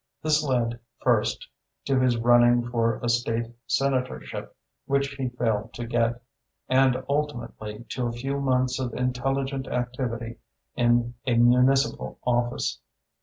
This led, first, to his running for a State Senatorship which he failed to get, and ultimately to a few months of intelligent activity in a municipal office.